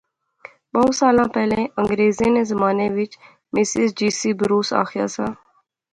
بہوں سالاں پہلے انگریریں نے زمانے وچ مسز جی سی بروس آخیا سا